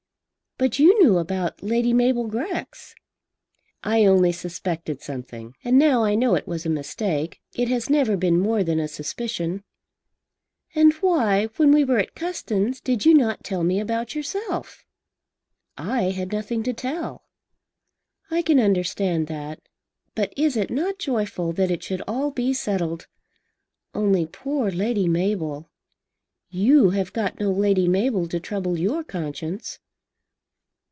"But you knew about Lady Mabel Grex." "I only suspected something, and now I know it was a mistake. It has never been more than a suspicion." "And why, when we were at Custins, did you not tell me about yourself?" "I had nothing to tell." "I can understand that. But is it not joyful that it should all be settled? Only poor Lady Mabel! You have got no Lady Mabel to trouble your conscience."